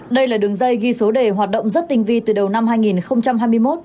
đây là đường dây ghi số đề hoạt động rất tinh vi từ đầu năm hai nghìn hai mươi một